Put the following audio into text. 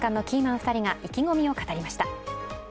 ２人が意気込みを語りました。